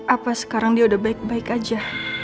apa sekarang dia udah baik baik aja